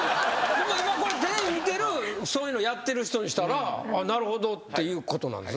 でも今テレビ見てるそういうのやってる人にしたらなるほどっていうことなんですね。